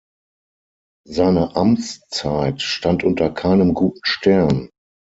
Seine Amtszeit stand unter keinem guten Stern.